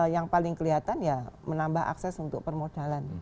yang paling kelihatan ya menambah akses untuk permodalan